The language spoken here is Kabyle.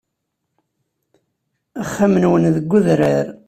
Axxam-nwen deg udrar.